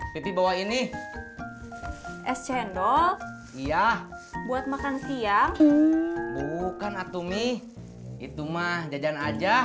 piti bawain nih es cendol iya buat makan siang bukan atau mi itu mah jajan